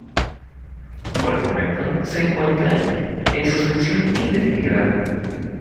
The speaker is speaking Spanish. Por el momento se encuentra en suspensión indefinida.